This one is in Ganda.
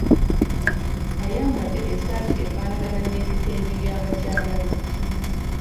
Ayambadde essaati efaanagana n'ebitengi bya bakyala be.